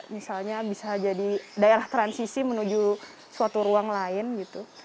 misalnya bisa jadi daerah transisi menuju suatu ruang lain gitu